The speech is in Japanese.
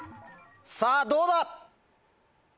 さぁどうだ？